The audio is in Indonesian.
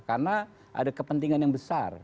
karena ada kepentingan yang besar